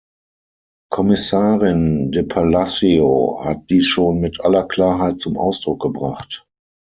Kommissarin de Palacio hat dies schon mit aller Klarheit zum Ausdruck gebracht.